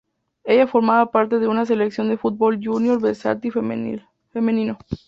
Ella formaba parte de una selección de fútbol junior varsity femenino.